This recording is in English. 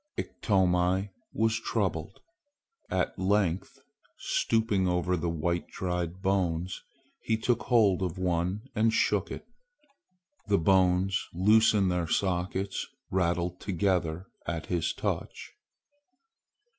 Iktomi was troubled. At length, stooping over the white dried bones, he took hold of one and shook it. The bones, loose in their sockets, rattled together at his touch.